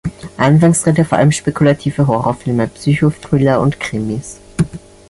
Anfangs drehte er vor allem spekulative Horrorfilme, Psycho-Thriller und Krimis.